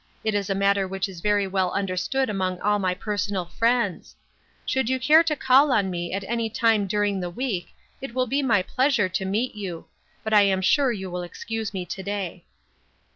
It is a matter which is very well understood among all my per sonal friends. Should you care to call on me at any time during the week, it will be my pleas ure to meet you, but I am sure you will excuse me to day."